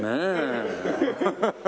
ハハハハ。